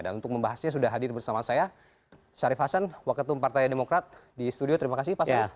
dan untuk membahasnya sudah hadir bersama saya sharif hasan wakil tum partai demokrat di studio terima kasih pak sharif